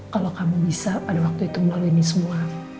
kalau kamu bisa pada waktu itu melalui ini semua